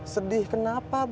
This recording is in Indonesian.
sedih kenapa bos